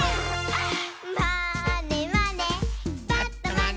「まーねまね」